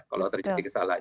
kalau terjadi kesalahan